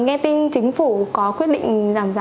nghe tin chính phủ có quyết định giảm giá nước sạch cho người dân